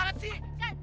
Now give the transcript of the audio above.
gak gak terry